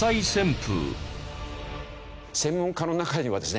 専門家の中にはですね